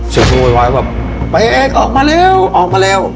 เสียงคนโวยวายแบบเอ๊กออกมาแล้วออกมาแล้ว